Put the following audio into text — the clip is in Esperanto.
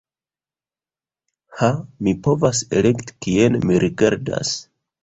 Ha mi povas elekti kien mi rigardas.